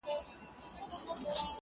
• زما کور ته چي راسي زه پر کور يمه ـ